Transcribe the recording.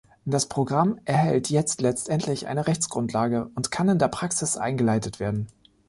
Das Programm erhält jetzt letztendlich eine Rechtsgrundlage und kann in der Praxis eingeleitet werden.